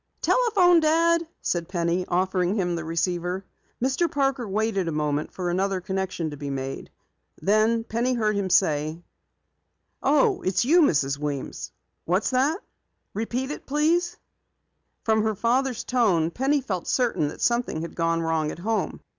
"Telephone, Dad," said Penny, offering him the receiver. Mr. Parker waited a moment for another connection to be made. Then Penny heard him say: "Oh, it's you, Mrs. Weems? What's that? Repeat it, please." From her father's tone, Penny felt certain that something had gone wrong at home.